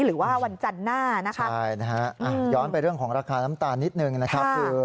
หรือว่าวันจันทร์หน้านะคะใช่นะฮะย้อนไปเรื่องของราคาน้ำตาลนิดนึงนะครับคือ